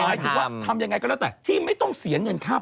มากเกี่ยวว่าทำหยังไงก็แล้วแต่ที่ไม่ต้องเสียเงินคาปรับ